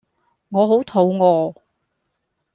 我好肚餓